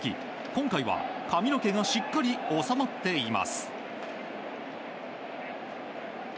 今回は髪の毛がしっかり収まっています。